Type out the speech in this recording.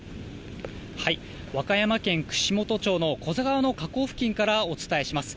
和歌山県串本町のこづ川の河口付近からお伝えします。